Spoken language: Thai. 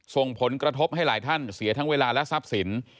ส่งผลกระทบให้หลายท่านเสียทั้งเวลาและทรัพย์สิน